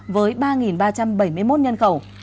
với ba ba trăm bảy mươi một nhân khẩu